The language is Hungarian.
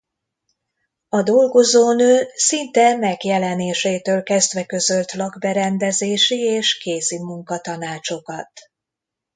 A Dolgozó Nő szinte megjelenésétől kezdve közölt lakberendezési és kézimunka-tanácsokat.